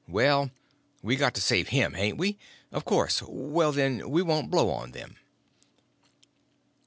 Well, we got to save him, hain't we? Of course. Well, then, we won't blow on them."